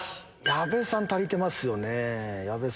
矢部さん足りてますよね。